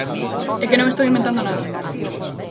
É que non estou inventando nada.